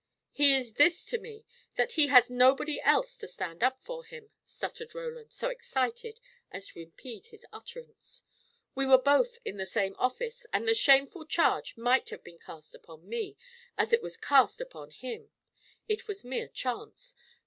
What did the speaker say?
"He is this to me that he has nobody else to stand up for him," stuttered Roland, so excited as to impede his utterance. "We were both in the same office, and the shameful charge might have been cast upon me, as it was cast upon him. It was mere chance.